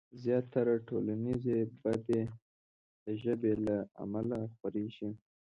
زياتره ټولنيزې بدۍ د ژبې له امله خورېږي.